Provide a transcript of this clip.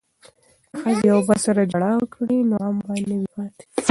که ښځې یو بل سره ژړا وکړي نو غم به نه وي پاتې.